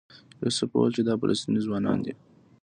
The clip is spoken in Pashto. یوسف وویل چې دا فلسطینی ځوانان دي.